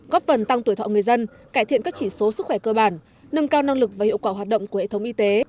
góp phần tăng tuổi thọ người dân cải thiện các chỉ số sức khỏe cơ bản nâng cao năng lực và hiệu quả hoạt động của hệ thống y tế